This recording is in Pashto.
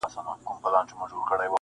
د زړو کفن کښانو د نیکونو په دعا یو -